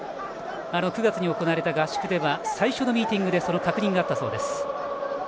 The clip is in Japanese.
９月に行われた合宿では最初のミーティングでその確認があったそうです。